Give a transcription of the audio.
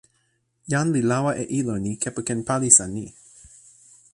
jan li lawa e ilo ni kepeken palisa ni.